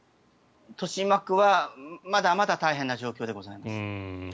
豊島区はまだまだ大変な状況でございます。